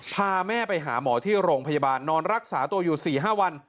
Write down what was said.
พาแม่ไปหาหมอที่โรงพยาบาลนอนรักษาตัวอยู่๔๕วัน